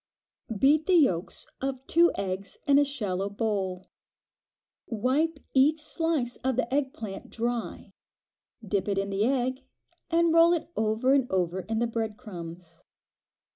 Beat the yolks of two eggs in a shallow bowl. Wipe each slice of the egg plant dry, dip it in the egg, and roll it over and over in the crumbs.